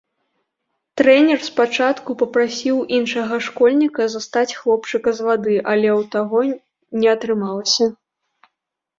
Трэнер спачатку папрасіў іншага школьніка застаць хлопчыка з вады, але ў таго не атрымалася.